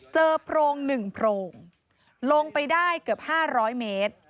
เจอโพงหนึ่งโพงลงไปได้เกือบ๕๐๐เมตร